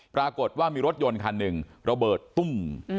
ปรากฏว่ามีรถยนต์คันหนึ่งระเบิดตุ้ม